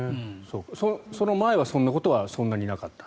その前はそんなことはそんなになかった？